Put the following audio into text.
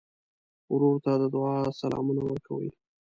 ورور ته د دعا سلامونه ورکوې.